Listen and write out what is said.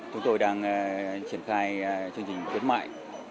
chúng tôi đang triển khai chương trình khuyến mãi